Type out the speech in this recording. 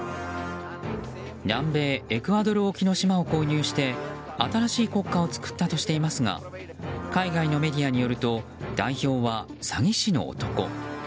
南米エクアドル沖の島を購入して新しい国家を作ったとしていますが海外のメディアによると代表は詐欺師の男。